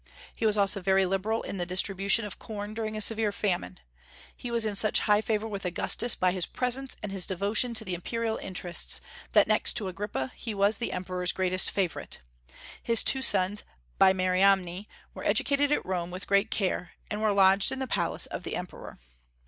He was also very liberal in the distribution of corn during a severe famine. He was in such high favor with Augustus by his presents and his devotion to the imperial interests, that, next to Agrippa, he was the emperor's greatest favorite. His two sons by Mariamne were educated at Rome with great care, and were lodged in the palace of the Emperor.